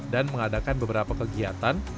dan mengadakan beberapa kegiatan